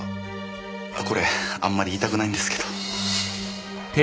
これあんまり言いたくないんですけど。